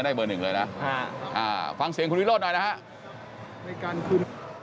เบอร์หนึ่งเลยนะฟังเสียงคุณวิโรธหน่อยนะฮะ